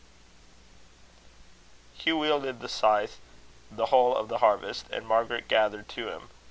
Hugh wielded the scythe the whole of the harvest, and Margaret gathered to him.